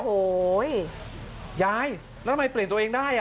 โอ้โหยายแล้วทำไมเปลี่ยนตัวเองได้